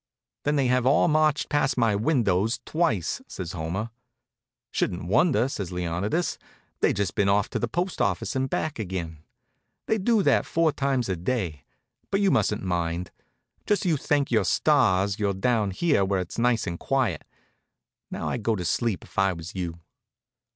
"Then they have all marched past my windows twice," says Homer. "Shouldn't wonder," says Leonidas. "They've just been to the postoffice and back again. They do that four times a day. But you mustn't mind. Just you thank your stars you're down here where it's nice and quiet. Now I'd go to sleep if I was you."